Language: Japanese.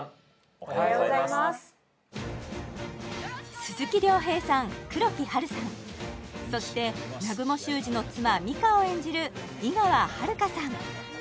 おはようございます鈴木亮平さん黒木華さんそして南雲脩司の妻美香を演じる井川遥さん